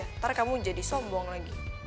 ntar kamu jadi sombong lagi